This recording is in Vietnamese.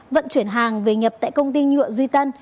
vận chuyển hàng về nhập tại công ty nhựa duy tân